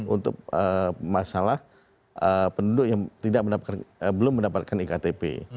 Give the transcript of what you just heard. untuk masalah penduduk yang belum mendapatkan iktp